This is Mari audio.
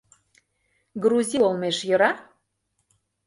Грузил олмеш йӧра.